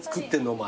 お前。